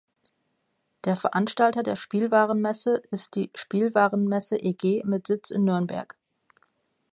Der Veranstalter der Spielwarenmesse ist die „Spielwarenmesse eG“ mit Sitz in Nürnberg.